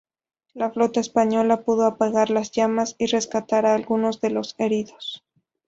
La flota española pudo apagar las llamas y rescatar a algunos de los heridos.